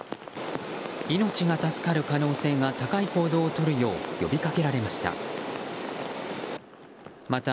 命が助かる可能性が高い行動をとるよう呼びかけられました。